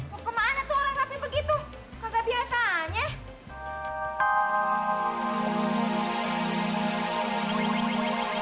mau kemana tuh orang rapi begitu